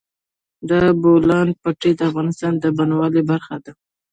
د بولان پټي د افغانستان د بڼوالۍ برخه ده.